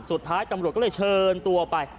สุดท้ายตำรวจก็เลยเชิญตัวไป